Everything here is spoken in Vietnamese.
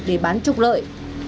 để bán trục lợi